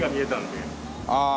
ああ。